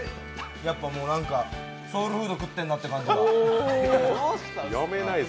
やっぱもうなんか、ソウルフード食ってんなって感じで。